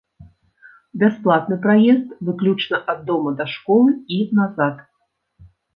Бясплатны праезд выключна ад дома да школы і назад.